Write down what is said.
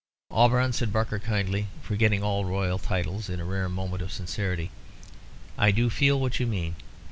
"Auberon," said Barker, kindly, forgetting all royal titles in a rare moment of sincerity, "I do feel what you mean.